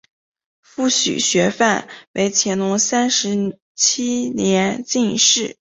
父许学范为乾隆三十七年进士。